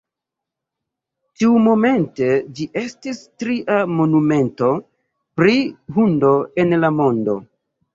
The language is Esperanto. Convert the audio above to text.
Tiumomente ĝi estis tria monumento pri hundo en la mondo.